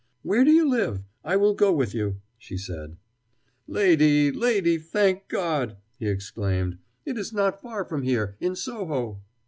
"Where do you live? I will go with you," she said. "Lady! Lady! Thank God!" he exclaimed. "It is not far from here, in Soho."